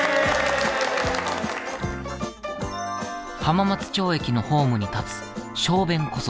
浜松町駅のホームに立つ小便小僧。